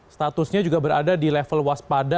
statusnya juga berada di level waspada